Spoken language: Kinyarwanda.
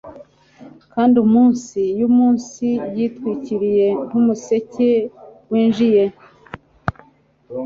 Kandi munsi yumunsi yitwikiriye nkumuseke wijimye